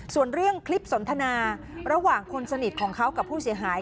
ส่วนเรื่องคลิปสนทนาระหว่างคนสนิทของเขากับผู้เสียหาย